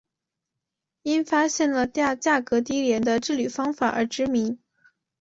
因发现了价格低廉的制铝方法而知名。